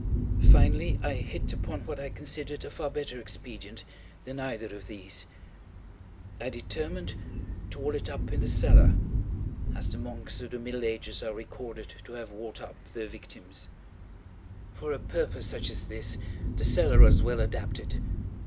Finally I hit upon what I considered a far better expedient than either of these. I determined to wall it up in the cellar—as the monks of the middle ages are recorded to have walled up their victims. For a purpose such as this the cellar was well adapted.